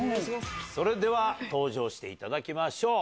それでは登場していただきましょう。